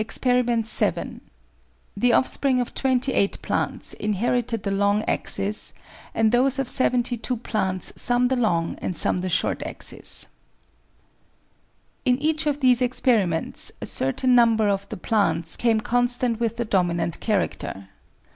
APPENDIX 325 Expt. 7. The offspring of 28 plants inherited the long axis, and those of 72 plants some the long and some the short axis. In each of these experiments a certain number of the plants came constant with the dominant character.